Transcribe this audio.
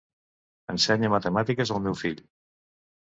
Ensenya matemàtiques al meu fill.